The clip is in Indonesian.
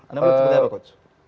anda melihat seperti apa coach